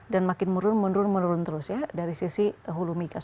dan makin menurun menurun menurun terus ya dari sisi hulu migas